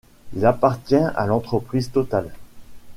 Il appartient à l'entreprise Total.